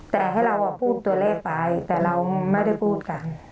แต่ให้เราพูดตัวเลขไปแต่เราไม่ได้พูดกัน